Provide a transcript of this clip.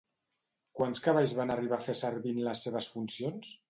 Quants cavalls van arribar a fer servir en les seves funcions?